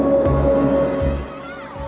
maulahi mubahalah maulahi mubahalah